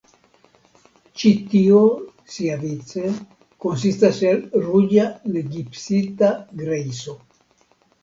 Ĉi tio siavice konsistas el ruĝa negipsita grejso.